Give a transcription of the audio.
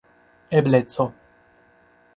ebleco